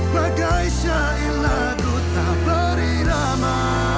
bagai syailah ku tak berirama